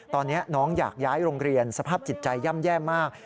ตอนนี้น้องอยากย้ายโรงเรียนสภาพจิตใจย่ำแย่มาก